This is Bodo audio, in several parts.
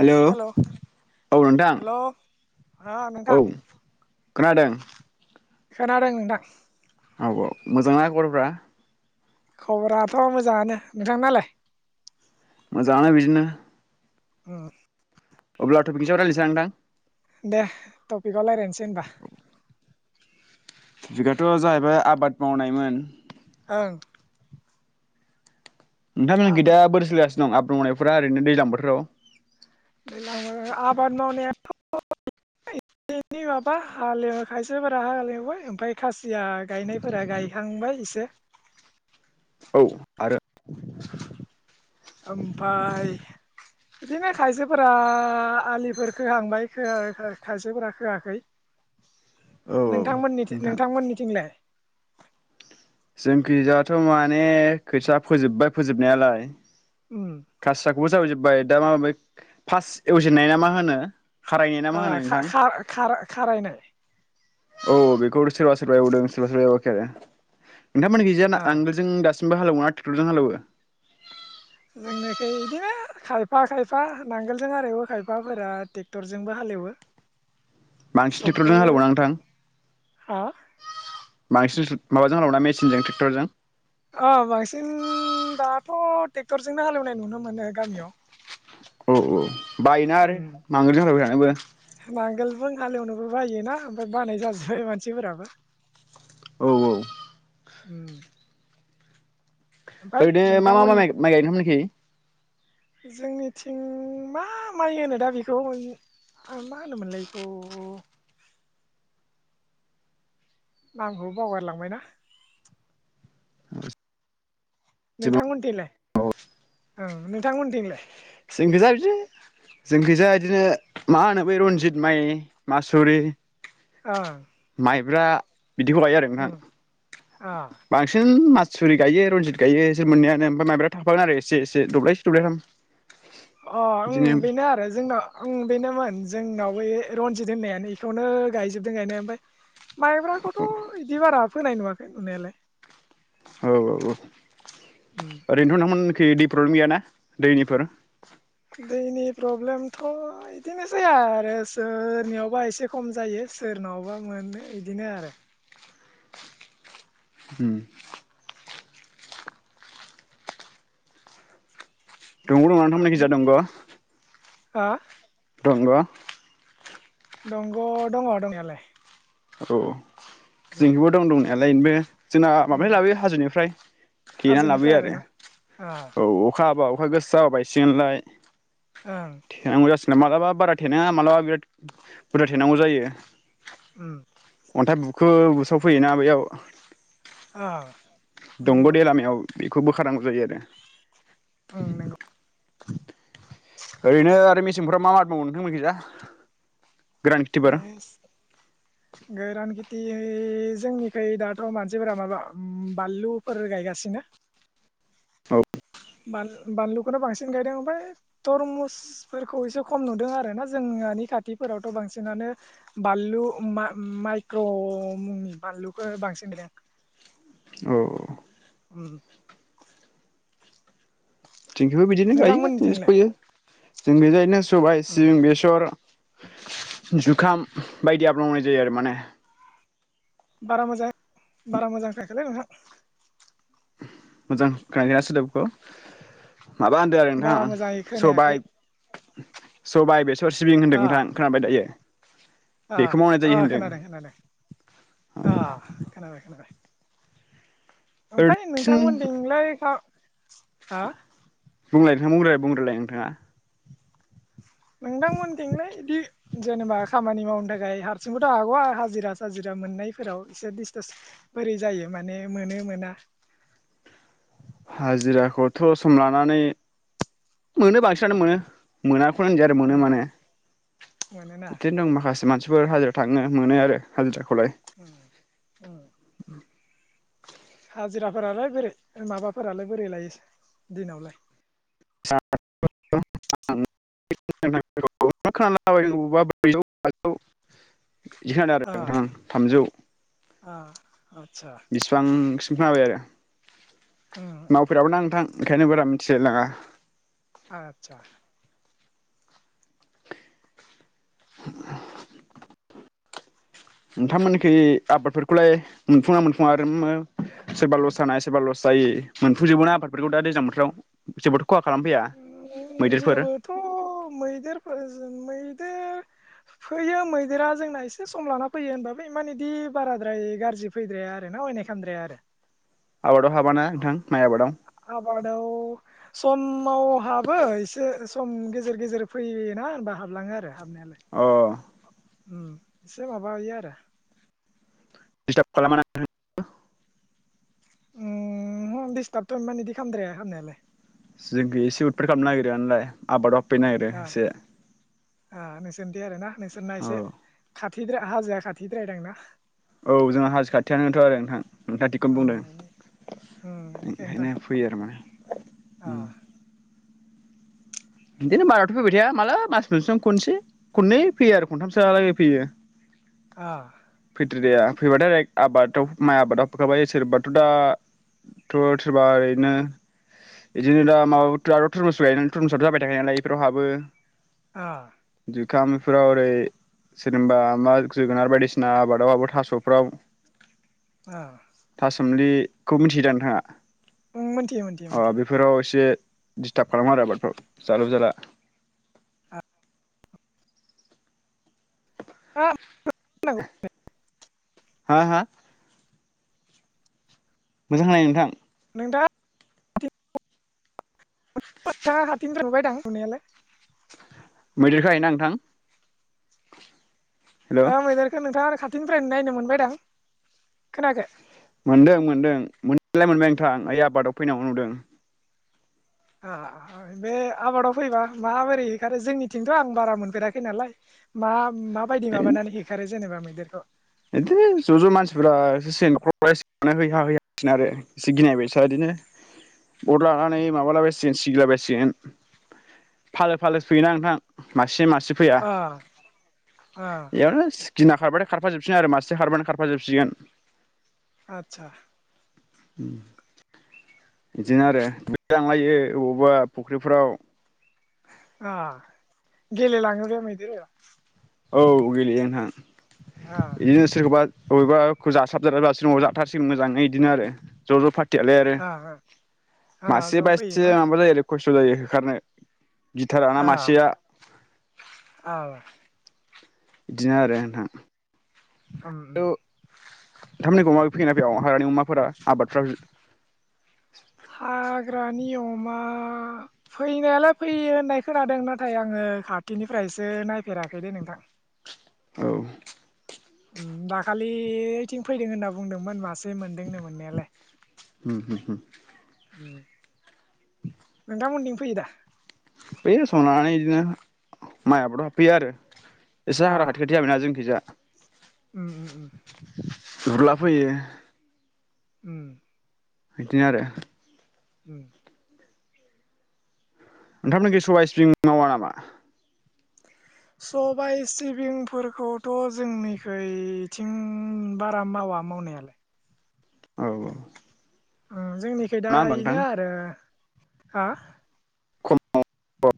हेलौ हेल' औ नोंथां हेल' ओ नोंथां औ खोनादों? खोनादों नोंथां। औ औ मोजांना खबरफ्रा? खबराथ' मोजाङानो। नोंथांनालाय? मोजांआनो बिदिनो। ओ अब्ला थ'फिकनिसायाव रायलायनोसां नोंथां? दे टपिकाव रायलायनोसै होनबा। बिगाथ' जाहैबाय आबाद मावनायमोन। ओं नोंथांमोन आबाद खैदा बोरै सोलिगासिनो दं आबाद मावनाय फ्रा ओरैनो दैज्लां बोथोराव? दैलांआव आबाद मावनाया थ' [unintelligible] माबा हालेव खायसेफोरा हालेवबाय ओमफ्राय खासिया गायनायफोरा गायखांबाय एसे। औ आरो ओमफाय बिदिनो खायसेफोरा आलिफोर खोहांबाय खा-खायसेफोरा खोआखै। औ औ नोंथांमोननिथि नोंथां नोंथांमोननिथिंलाय? जोंखिजाथ' माने खोथिया फोजोब्बाय फोजोबनायालाय। खासियाखौबो जावै जो बाय दा माबै फार्स्ट एवजेननाय ना मा होनो? खारायनाय ना मा ओ होनो नोंथां खा-खा-खारायनाय। औ बेखौ सोरबा सोरबा एउदों सोरबा सोरबा एउआखै आरो। नोंथांमोनिखैजा नांगोलजों दासिमबो हालेवो ना? टेकटरजों हालेवो। जोंनिखै इदिनो खायफा खायफा नांगोलजों हाल एवो खायफाफोरा ट्रेक्टरजोंबो हालेवो। बांसिन सबबो टेकटरजों हालेवोना नोंथां? हा बांसिन माबाजों हालेवो ना मेसिनजों ट्रेक्टरजों? अ बांसिन दाथ' ट्रेक्टरजोंनो हालेवनाय नुनो मोनो गामियाव। औ औ बायोना आरो उम बांद्राय मावबायथानोबो। जों हाल एवनोबो बायोना ओमफ्राय बानाय जाजोबबाय मानसिफोराबो। औ औ। उम। ओमफ्राय ओरैनो मा मा नोंथांमोन मा माइ गायदों मोननिखि? जोंनिथिं मा माइ होनो दा बिखौ मा होनोमोनलाय इखौ नामखौबो बावगारलांबायना। नोंथांमोननि थिंलाय औ नोंथांमोननि थिंलाय? जोंखोजा बिदिनो जोंखोजा इदिनो मा होनो बै रनजित माइ मासुरि ओं। माइब्रा बिदिखौ गायो आरो नोंथां ओं अ बांसिन मा सुरि गायो रनजित गायो इसोर मोननैआनो ओमफ्राय माबब्रा थाफागोन आरो एसे एसे दब्लायसे दब्लायथाम। अ उम बिदिनो बेनो आरो जोंनाव उम बेनोमोन। जोंनावबो रनजित होननायानो बेखौनो गायजोबदों गायनाया ओमफाय माइब्राखौथ' औ इदि बारा फोनाय नुवाखै नुनायालाय। औ औ औ ओरैनोथ' नोथांमोनखि इदि प्रब्लेम गैयाना दैनिफोर? दैनि प्रब्लेमथ' इदिनोसै आरो सोरनियावबा एसे खम जायो सोरनावबा मोनो इदिनो आरो। उम। दङ दंनाया नोंथांमोननिखिजा दंग'। हा? दंग'। दंग' दङ' दंयालाय। औ। जोंनिखिबो दं दंना यालाय बे जोंना उम माबानिफ्राय लाबोयो हाजोनिफ्राय थेनानै हाजोनिफ्राय लाबोयो आरो आरोना ओं औ अखा हाबा अखा गोसा हाबा बायसिगोनलाय। ओं। थेनांगौ जासिगोन मालाबा बारा थेनाङा माब्लाबा बिराद बुरजा थेनांगौ जायो। उम। अन्थाइ बुखो बुसावफैयोना बेयाव। ओ। दंग' दै लामायाव। बेखौ बोखारनांगौ जायो आरो। उम नोंगौ। [inaudible] ओरैनो आरो मेसेंफोराव मा आबाद मावो नोंथांमोनखिजा बे गोरान खेथि थि जोंनिख दाथ' मानसिफोरा माबा बानलुफोर गायगासिनो औ बानलुखौनो बांसिन गायदों ओमफ्राय तरमुसफोरखौ एसे खम नुदों आर ना जोंहानि खाथिफोरावथ' बांसिनानो बानलु माइक्र' मुंनि बानलुखौ बांसिन गायदों औ उम जोंथिंबो बिदिनो गायो नोंथांमोननिथिंलाय फोयो जों [unintelligible] सबाय सिबिं बेसर जुखाम बायदि आबाद मावनाय जायो आरो माने बारा मोजां बारा मोजां खोनायाखैलै नोंथां मोजां खोनायाखैना सोदोबखौ माबा होनदों आरो बारा नोंथां मोजाङै खोनायाखै सबाय सबाय बेसर सिबिं होनदों अ नोंथां खोनाबाय दायो। अ बेखौ मावनाय जायो होन्दों खोनादों खोनादों अ खोनाबाय खोनाबाय। ओरैनो ओमफ्राय बांसिन नोंथांमोनथिंलाय खा हा बुंलाय नोंथां बुंग्रोलाय बुंग्रोलाय नोंथाङा। नोंथांमोनथिंलाय बिदि जेनेबा खामानि मावनो थाखाय हारसिंबोथ' हागौ हाजिरा साजिरा मोननायफोराव एसे दिस्टार्स बोरै जायो माने मोनो मोना। हाजिराखौथ' सम लानानै मोनो बांसिनानो मोनो मोनाखौ होनजाया आरो मोनो उम माने मोनोना बिदिनो दं माखासे मानसि बिफोर हाजिरा थाङो मोनो आरो हाजिरा खौलाय [inaudible] उम उम हाजिराफोरालाय बोरै माबाफोरालाय बोरै लायो दिनावलाय [inaudible] आंदि खोनादों आरो नोंथां थामजौ अ इसिबांसिम खोनाबाय आरो उम उम मावफेराबोना नोंथां ओंखायनो बारा मिथिलायलाङा आतसा [inaudible] नोंथांमोननिखि आबादफोरखौलाय मोनफुङा मोनफुङा आरो सोरबा लस जानाय सोरबा लस जायि मोनफुंजोबो ना आबादफोरखौ दा दैज्लां बोथोराव खेथिफोरखौ ओ जेबोथ' मैदेरफोरजोंलाय ओ फैयो मैदेरा जोंना एसे सम लाना फैयो होनबाबो इमान इदि बाराद्राय गाज्रि फैद्राया आरो ना अयनाय खमद्राया आरो। आबादाव हाबाना नोंथां माइ आबादाव? बादाव सम माव हाबो एसे स सम गेजेर गेजेर फैयोना होनबा हाबलाङो आरो। हाबनायालाय अ उम एसे माबायो आरो। दिसथाब खालामाना [unintelligible] उ ह दिडस्टारबथ' इमान इदि खालामामद्राया खालामनायालाय। जोंखै एसे उदफार खालामनो नागिरो आनोलाय आबादाव सफैनो नागिरो ओ एसे। ओ नोंसोरनिथि आरो ना? नोंसोरना औ एसे खात थि द्राय हाजोआ खाथिद्राय दां ना। औ जोंहा हाजो खाथियानोथ' आरो नोंथां नोंथाङ थिगखौनो ओं बुंदों इनि ओं ओंखायनो इनिखायनोथ' फैयो आरो मा अ ओम बिदिनो बाराथ' फैबाय थाया माला मास मोनसेआव खनसे खनै फैयो आरो खन्थामसोहालागै फैयो। अ। [unintelligible] फैबाथाय ओरै आबादाव माइ आबादाव फखाबाय सोरबाथ' दाथ' सोरबा सोरबा ओरैनो बिदिनो दा माबा [unintelligible] बायनायालाय इफोराव हाबो। ओ। जुखामफ्राव ओरै सोरनिबा मा जोगोनार बायदिसिना आबादावबाबो थास'फ्राव अ थासोमलि खौ मिथियो दा नोंथाङा? ओं मोनथियो मोनथियो अ मोनथियो बेफोराव एसे दिसटारब खालामो आरो आबादखौ। जालु जाला [unintelligible] हा हा? मोजां होननाय नोंथां। [unintelligible] मैदेरखो हायो ना नोंथां? हेल' औ मैदेरखौ नोंथाङा आरो थिंनिफ्रायनो नायनो मोनबायदां खोनायाखै? मोनदों मोनदों मोननायालाय मोनबाय नोंथां ओइ आबादाव फैनायाव नुदों। औ बे आबादाव फैबा माबोरै हेगारो जोंनिथिंथ' आं बारा मोनफेराखै नालाय मा माबायदि माबानानै होखारो जेनेबा मैदेर द' बिदि ज' ज' मानसिफोरा एसे सेनख्र हो होयाांसिगोन आरो एसे गिनायबायस बिदिनो अर लानानै माबालाबायसिगोन सिगिलाबायसिगोन फालो फालो फैयोना नोंथां मासे मासे सि फैया अ अ इयास गिना खारबाथाय खार फाजोबसिगोन आरो मासे खारबानो खारफाजोबसिगोन। आदसा उम [inaudible] इदिनो आरो [unintelligible] लायो अबावबा फुख्रिफ्राव। ओह गेलेलाङो बे मैदेर औ गेलेयो नोंथां। अ इदिनो सोरखौबा अबेबा खौ जासाब जाराब जासिग जाथारसिगोन मोजाङै इदिनो आरो ज' ज' फार थियालाय आरो अ अ मासे ज' बा एसे फैयोना माबा जायो आरो थ' जायो होखारनो। गिथाराना अ मासेया [inaudible] अ बिदिनो आरो नोंथां। द उम उम [unintelligible] बेयाव हाग्रानि अमा फोरा आबादफ्राव हाग्रानि अमा फैनायालाय फैयो होननाय खोनादों नाथाय आङो खाथिनिफ्रायसो नायफेराखै दै नोंथां। औ। ओम दाखालि ओइथिं फैदों होनना बुंदोंमोन मास ए मोनदोंनो मोननायालाय। उम होम होम। उम नोंथामोनथिं फैयोदा? फैयो सम लानानै इदिनो माइ आबादाव हाबफैयो आरो। एसे हाग्रा अ खाथि खाथि जाबायना जोंखैजा। उम उम उम। उर्ला फैयो। उम। बिदिनो आरो उम। नोंथांमोननिखै सबाइ सिबिं मावा नामा? सबाय सिबिंफोरखौथ' जोंनिखैथिं बारा मावा मावनायालाय। औ औ। उम जोंनिखै दा ना होमबा नोंथां इनो आरो हा खम औ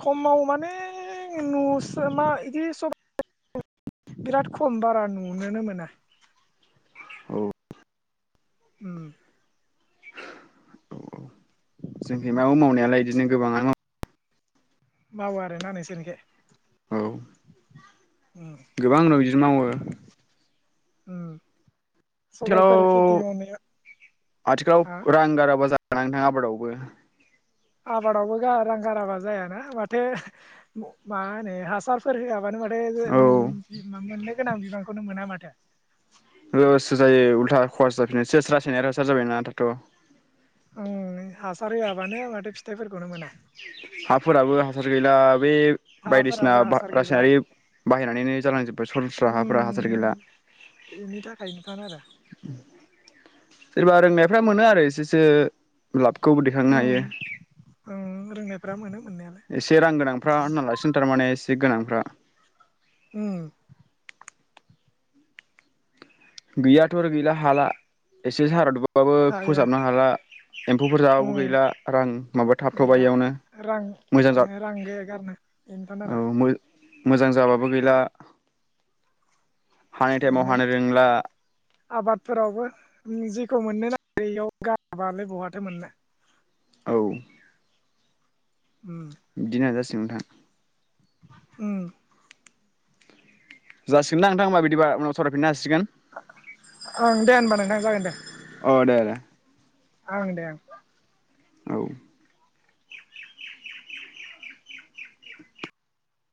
खमाव माने नुसो मा इदि [inaudible] बिराद खम बारा नुनोनो मोना। औ उम। औ जोंखै मावो मावनायालाय इदिनो गोबाङानो मावो आरो ना नोंसोरनिखै? मावो औ उम गोबां आनो बिदि मावो। उम। सबायफोर खेथि मावनाया हा आथिखालाव-आथिखालाव रां गाराबा जा रां थाङो आबादावबो। आबादावबो गारा रां गाराबा जायाना माथो म-मा होनो हासारफोर होआबानो औ मा म [unintelligible] गोनां बिबांखौनो मोना माथो। लससो जायो उल्था खरस जाफिनो सस रासैनाय होस्रा जाबायना दाथ'। उम नै हासार होआबानो माथो फिथाइफोरखौनो मोना। हाफोराबो हासार गैला। बे बायदिसिना हाफोराबो आबाद हासार गैला रासायनारि बाहायनानैनो जालांजोब्बाय सरास्रा हाफोरा हासार उम गैला। बेनि थाखायनोथान आरो सोरबा रोंनायफ्रा मोनो आरो एसेसो लाबखौबो दैखांनो उम हायो। उम रोंनायफ्रा मोनो मोननायालाय एसे रां गोनांफ्रा होननालासोन थारमाने एसे गोनां रा। उम। गैयाथ' आरो गैला हाला एसे सारादब बाबो हायो फोसाबनो हाला। एम्फौफोर जाबाबो उम गैला रां माबा गैला थाबथ'बायावनो रां मोजां जात रां गैया गारनो बेनोथान आरो औ मो मोजां जाबाबो गैला। हानाय टाइमाव बेनो हानो रोंला। आबादफोरावबो जेखौ मोननो नागिरो बेयाव गाराबालाय बहाथो मोननो। औ। उम बिदिनो दा नोंथां। उम। जासिगोन दां नोंथां मा बिदिबा उनाव सावरायफिननो हसि ओं दे होनबा नोंथां जागोन दे अ दे दे ओं दे। औ।